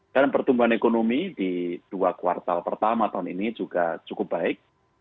dan pertumbuhan ekonomi di dua kuartal pertama tahun ini juga cukup baik